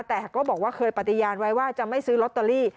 แต่ก็บอกว่าเคยปฏิญาณไว้ว่าจะไม่ซื้อลอตเตอรี่